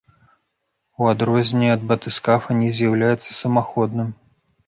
У адрозненне ад батыскафа не з'яўляецца самаходным.